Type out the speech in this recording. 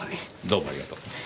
どうもありがとう。